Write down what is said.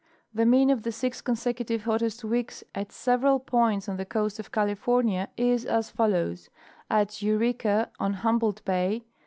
The mean of the six consecutive hottest weeks at several points on the coast of California is as follows: At Eureka, on Humboldt bay, 18°.